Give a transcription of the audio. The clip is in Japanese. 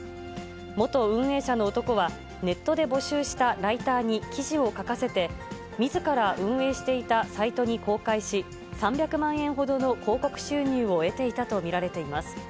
元運営者の男は、ネットで募集したライターに記事を書かせて、みずから運営していたサイトに公開し、３００万円ほどの広告収入を得ていたと見られています。